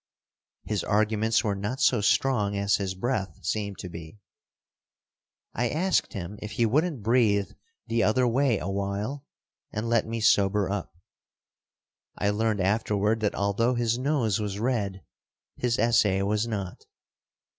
His arguments were not so strong as his breath seemed to be. I asked him if he wouldn't breathe the other way awhile and let me sober up. I learned afterward that although his nose was red, his essay was not.